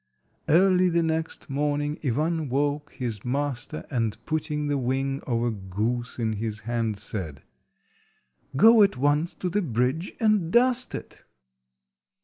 Early the next morning Ivan woke his master, and putting the wing of a goose in his hand, said— "Go at once to the bridge and dust it."